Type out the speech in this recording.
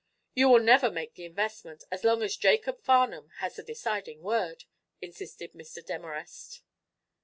"You will never make the investment, as long as Jacob Farnum has the deciding word," insisted Mr. Demarest.